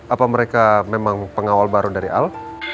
apa mereka memang pengawal baru dari al